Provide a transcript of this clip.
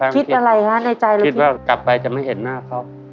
คิดอะไรฮะในใจเลยคิดว่ากลับไปจะไม่เห็นหน้าเขา